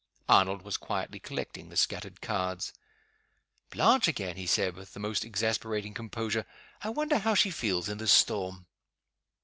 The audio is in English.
Arnold was quietly collecting the scattered cards. "Blanche, again?" he said, with the most exasperating composure. "I wonder how she feels, in this storm?"